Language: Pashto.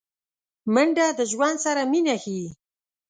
منډه د ژوند سره مینه ښيي